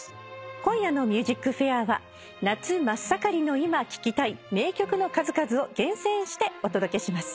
今夜の『ＭＵＳＩＣＦＡＩＲ』は夏真っ盛りの今聴きたい名曲の数々を厳選してお届けします。